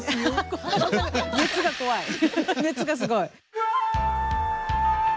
熱がすごい！